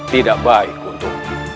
tidak baik untuk